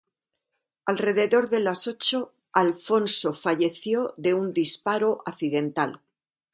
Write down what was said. Alrededor de las ocho, Alfonso falleció de un disparo accidental.